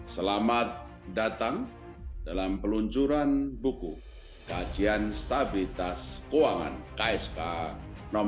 selamat datang dalam peluncuran buku kajian stabilitas keuangan ksk nomor empat puluh oleh bank indonesia